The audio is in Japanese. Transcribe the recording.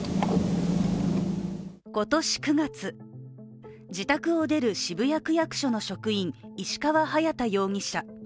今年９月、自宅を出る渋谷区役所の職員、石川隼大容疑者。